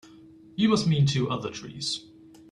You must mean two other trees.